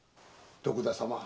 徳田様。